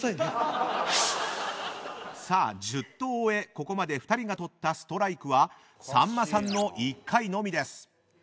さあ１０投を終えここまで２人が取ったストライクはさんまさんの１回のみです。